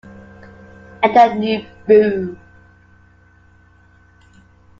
And a new boom.